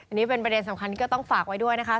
อันนี้เป็นประเด็นสำคัญที่ก็ต้องฝากไว้ด้วยนะคะ